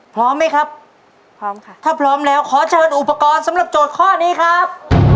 พร้อมไหมครับพร้อมค่ะถ้าพร้อมแล้วขอเชิญอุปกรณ์สำหรับโจทย์ข้อนี้ครับ